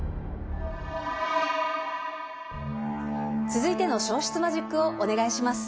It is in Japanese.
続いての消失マジックをお願いします。